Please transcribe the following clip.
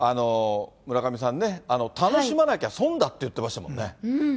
村上さんね、楽しまなきゃ損だって言ってましたもんね。